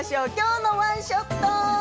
きょうのワンショット。